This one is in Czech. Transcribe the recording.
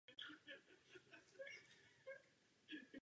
Žil i studoval v Honolulu na Havaji.